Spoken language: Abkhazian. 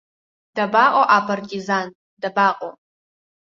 Дабаҟоу апартизан, дабаҟоу?